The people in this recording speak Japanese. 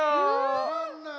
わかんない。